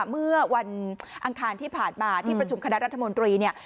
เมื่อวันอังคารที่ผ่านมาที่ประชุมคณะรัฐมนตรีเนี่ย